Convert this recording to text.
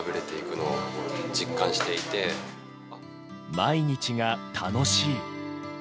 毎日が楽しい。